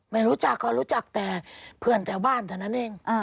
ไม่รู้จักเขารู้จักแต่เพื่อนแถวบ้านเท่านั้นเอง